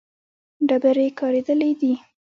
ډبرې کارېدلې دي.